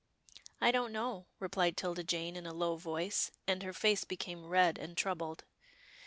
"" I don't know," replied 'Tilda Jane in a low voice, and her face became red and troubled.